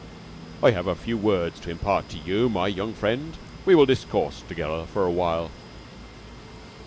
"I have a few words to impart to you, my young friend. We will discourse together a while."